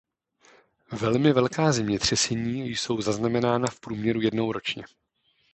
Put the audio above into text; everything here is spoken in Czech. Velmi velká zemětřesení jsou zaznamenána v průměru jednou ročně.